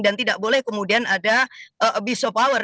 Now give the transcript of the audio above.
dan tidak boleh kemudian ada abuse of power